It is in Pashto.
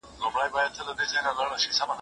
د واجباتو ادا کول ضروري دي.